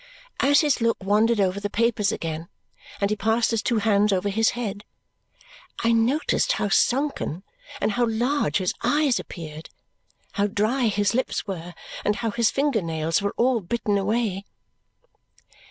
As his look wandered over the papers again and he passed his two hands over his head, I noticed how sunken and how large his eyes appeared, how dry his lips were, and how his finger nails were all bitten away.